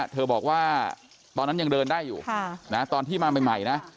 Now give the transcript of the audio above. เธอบอกว่าตอนนั้นยังเดินได้อยู่ตอนที่มาใหม่นะ